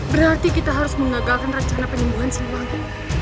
berarti kita harus mengagalkan rencana penyembuhan siliwangi